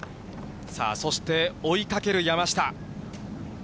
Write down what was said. さあ、そして追いかける山下。